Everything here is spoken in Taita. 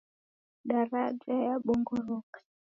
Daraja yabongoroka.